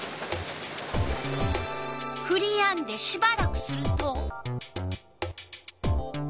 ふりやんでしばらくすると。